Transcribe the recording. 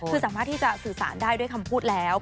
คือสามารถที่จะสื่อสารได้ด้วยคำพูดแล้ว